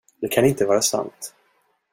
Det kan inte vara sant.